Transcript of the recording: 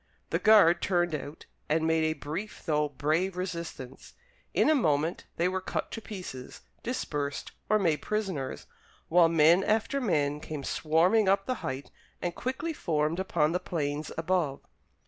The guard turned out and made a brief though brave resistance. In a moment they were cut to pieces, dispersed, or made prisoners, while men after men came swarming up the height and quickly formed upon the plains above.